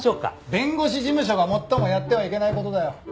弁護士事務所が最もやってはいけない事だよ。